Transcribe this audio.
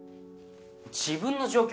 自分の状況